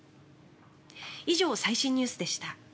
以上、最新ニュースでした。